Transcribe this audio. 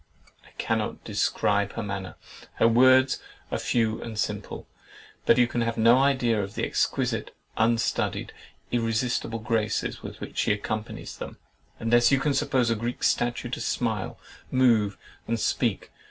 I cannot describe her manner. Her words are few and simple; but you can have no idea of the exquisite, unstudied, irresistible graces with which she accompanies them, unless you can suppose a Greek statue to smile, move, and speak.